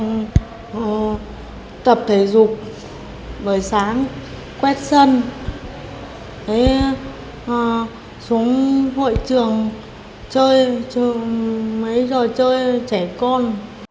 họ tập thể dục bời sáng quét sân xuống hội trường mấy giờ chơi trẻ con